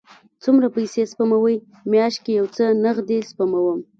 څومره پیسی سپموئ؟ میاشت کې یو څه نغدي سپموم